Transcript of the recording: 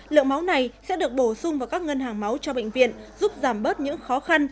lượng máu này sẽ được bổ sung vào các ngân hàng máu cho bệnh viện giúp giảm bớt những khó khăn